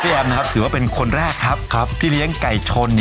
พี่หายแอมนะครับถือว่าเป็นคนแรกที่เลี้ยงไก่ชน